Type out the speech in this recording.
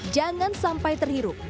jangan sampai terhirup